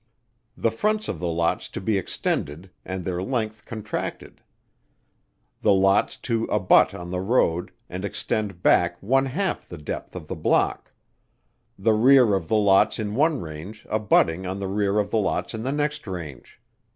The fronts of the lots to be extended, and their length contracted. The lots to abut on the road; and extend back one half the depth of the block: The rear of the lots in one range, abutting on the rear of lots in the next range.